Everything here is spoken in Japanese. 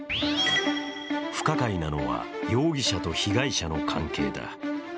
不可解なのは容疑者と被害者の関係だ。